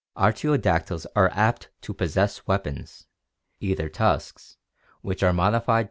Artiodactyls are apt to A 3 «—— possess weapons, either a C tusks, which are modified